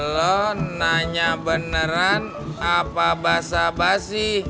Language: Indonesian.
lo nanya beneran apa basa basi